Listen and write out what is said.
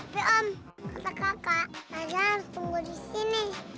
tapi om kata kakak tarzan harus tunggu di sini